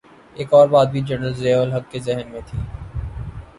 ایک اور بات بھی جنرل ضیاء الحق کے ذہن میں تھی۔